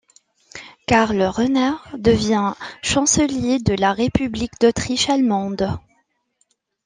Karl Renner devient chancelier de la République d'Autriche allemande.